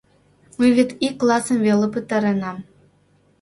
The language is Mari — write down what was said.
— Мый вет ик классым веле пытаренам.